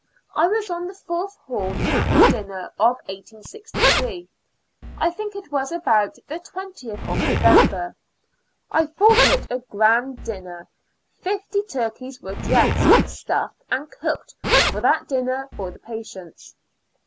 I was on the fourth hall at the dinner of 1863. I think it was about the 20th of No vember. I thought it a grand dinner; fifty turkeys were dressed, stuffed and cooked for that dinner for the patients.